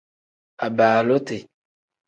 Abaaluti.